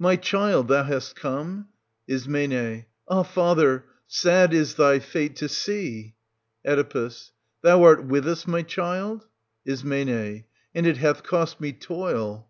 My child, thou hast come ? Is. Ah, father, sad is thy fate to see ! Oe. Thou art with us, my child ! Is. And it hath cost me toil.